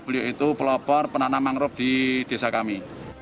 beliau itu pelopor penanam mangrove di desa kami